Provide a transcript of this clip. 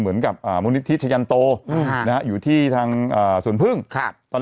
ถูกต้องถูกต้องถูกต้องถูกต้องถูกต้องถูกต้อง